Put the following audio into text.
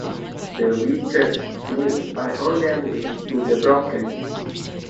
The witches sweep by on their way to the Brocken.